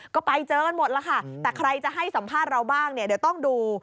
ก็ไปเจอกันหมดแล้วค่ะแต่ใครจะให้สัมภาษณ์เราบ้างเนี่ยเดี๋ยวต้องดู